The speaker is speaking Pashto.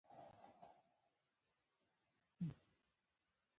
کاشوغه راوړه